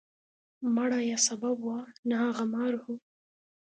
مڼه یې سبب وه، نه هغه مار و.